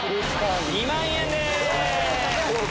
２万円です！